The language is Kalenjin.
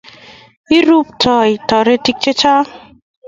iruptoi toritik chechang